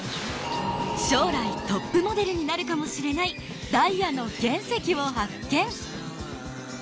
将来トップモデルになるかもしれないダイヤの原石を発見。